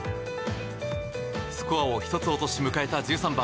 スコアを１つ落とし迎えた１３番。